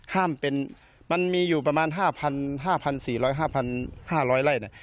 ห้ามเป็นมันมีอยู่ประมาณ๕๔๐๐๕๕๐๐ไร่